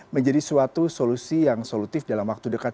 menjadi suatu solusi yang solutif dalam waktu dekat